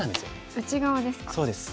内側ですか。